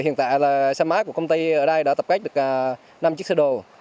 hiện tại xe máy của công ty ở đây đã tập cách được năm chiếc xe đồ